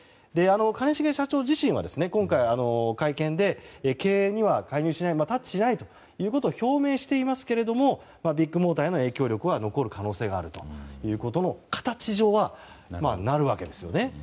兼重社長自身は今回、会見で経営にはタッチしないと表明していますけれどもビッグモーターへの影響力は残る可能性があるということも形上は、なるわけですよね。